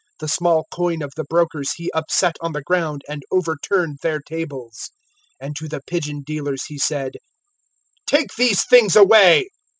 The small coin of the brokers He upset on the ground and overturned their tables. 002:016 And to the pigeon dealers He said, "Take these things away.